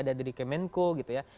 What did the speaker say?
ada dari kemenko gitu ya